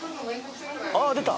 ああ出た！